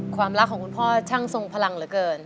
ความรักของคุณพ่อช่างทรงพลังเหลือเกิน